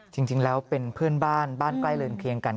จริงแล้วเป็นเพื่อนบ้านบ้านใกล้เรือนเคียงกัน